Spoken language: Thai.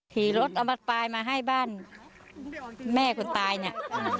ขี่รถเอาบัตรปลายมาให้บ้านแม่คนตายเนี่ย